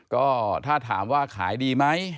ก็ถ้าถามว่าขายดีไหม